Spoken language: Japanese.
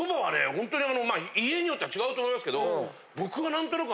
ほんとに家によっては違うと思いますけど僕は何となく。